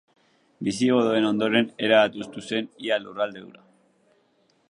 Bisigodoen ondoren erabat hustu zen ia lurralde hura.